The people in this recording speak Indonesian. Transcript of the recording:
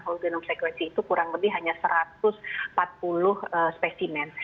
whole genome sequencing itu kurang lebih hanya satu ratus empat puluh spesimen